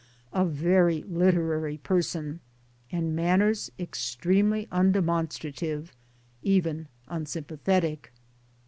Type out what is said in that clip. A very literary person and manners extremely undemonstrative, even un sympathetic.